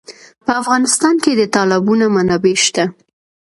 په افغانستان کې د تالابونه منابع شته.